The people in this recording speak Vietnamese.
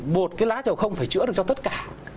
bột cái lá chầu không phải chữa được cho tất cả